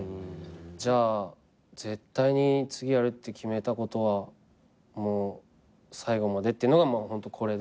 じゃあ絶対に次やるって決めたことはもう最後までってのがホントこれで。